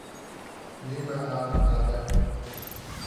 Ниме аннаң хада?